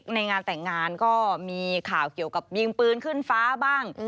ในงานแต่งงานก็มีข่าวเกี่ยวกับยิงปืนขึ้นฟ้าบ้าง